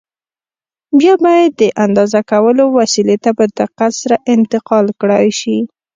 بیا باید د اندازه کولو وسیلې ته په دقت سره انتقال کړای شي.